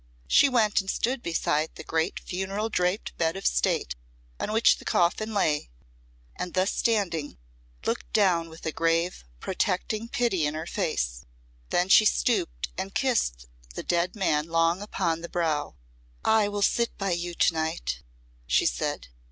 She went and stood beside the great funeral draped bed of state on which the coffin lay, and thus standing, looked down with a grave, protecting pity in her face. Then she stooped and kissed the dead man long upon the brow. "I will sit by you to night," she said.